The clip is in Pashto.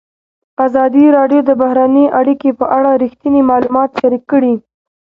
ازادي راډیو د بهرنۍ اړیکې په اړه رښتیني معلومات شریک کړي.